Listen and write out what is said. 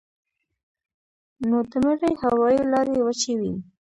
نو د مرۍ هوائي لارې وچې وي